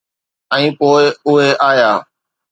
۽ پوء اهي آيا.